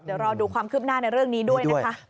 เดี๋ยวรอดูความคืบหน้าในเรื่องนี้ด้วยนะคะ